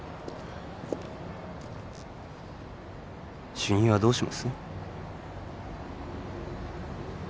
主任はどうします？